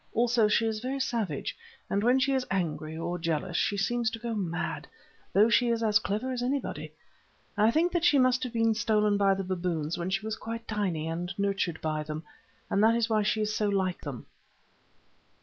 Also she is very savage, and when she is angry or jealous she seems to go mad, though she is as clever as anybody. I think that she must have been stolen by the baboons when she was quite tiny and nurtured by them, and that is why she is so like them.